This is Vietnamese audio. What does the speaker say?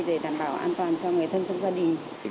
để đảm bảo an toàn cho người thân trong gia đình